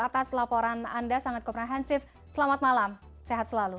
atas laporan anda sangat komprehensif selamat malam sehat selalu